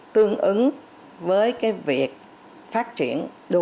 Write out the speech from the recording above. tương ứng với cái việc phát triển đô thị